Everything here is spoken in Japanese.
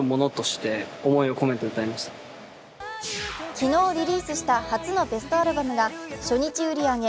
昨日リリースした初のベストアルバムが初日売り上げ